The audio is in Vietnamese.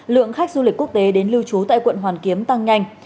lượng khách du lịch quốc tế đến lưu trú tại quận hoàn kiếm tăng nhanh